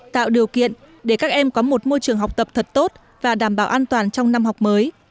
tạo điều kiện để các em có một môi trường học tập thật tốt và đảm bảo an toàn trong năm học mới